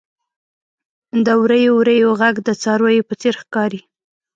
• د وریو وریو ږغ د څارويو په څېر ښکاري.